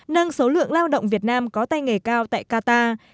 nâng số lượng lao động việt nam có tay nghề cao tại qatar